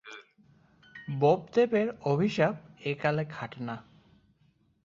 বোপদেবের অভিশাপ একালে খাটে না।